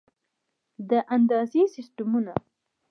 د اندازې سیسټمونه